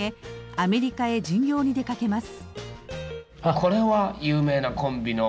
アメリカへ巡業に出かけます。